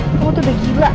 kamu tuh udah gila